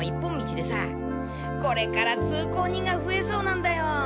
これから通行人がふえそうなんだよ。